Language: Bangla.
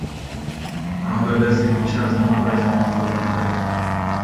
আহতদের চিকিৎসার জন্য প্রয়োজনীয় ওষুধ আনতে হবে।